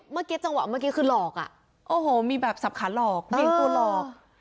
เมื่อกี้จังหวะเมื่อกี้คือหลอกอ่ะโอ้โหมีแบบสับขาหลอกเบี่ยงตัวหลอก